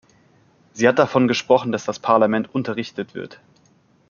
Sie hat davon gesprochen, dass das Parlament unterrichtet wird.